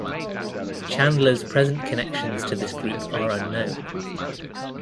Chandler's present connections to this group are unknown.